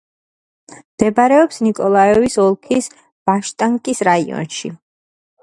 მდებარეობს ნიკოლაევის ოლქის ბაშტანკის რაიონში.